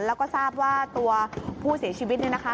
แล้วก็ทราบว่าตัวผู้เสียชีวิตเนี่ยนะคะ